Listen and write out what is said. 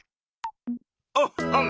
おっほん。